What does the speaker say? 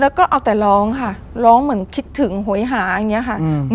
แล้วก็เอาแต่ร้องค่ะร้องเหมือนคิดถึงโหยหาอย่างนี้ค่ะ